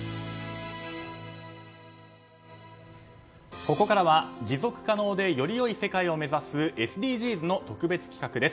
ここからは持続可能でより良い世界の実現を目指すＳＤＧｓの特別企画です。